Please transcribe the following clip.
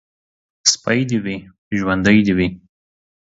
سپى دي وي ، ژوندى دي وي.